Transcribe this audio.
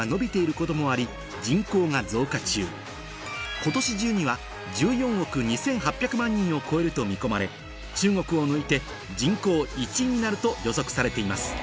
今年中には１４億２８００万人を超えると見込まれ中国を抜いて人口１位になると予測されています